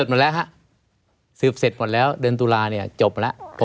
ไม่มีครับไม่มีครับ